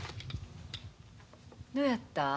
どうやった？